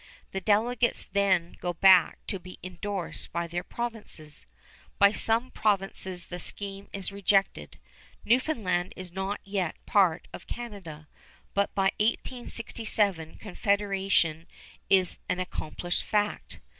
The delegates then go back to be indorsed by their provinces. By some provinces the scheme is rejected. Newfoundland is not yet part of Canada, but by 1867 Confederation is an accomplished fact.